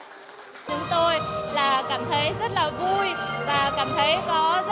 chúng tôi là cảm thấy rất là vui và cảm thấy có rất là